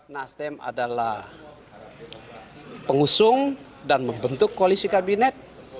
nasdem adalah pengusung dan membentuk koalisi kabinet